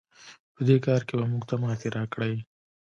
په دې کار کې به موږ ته ماتې راکړئ.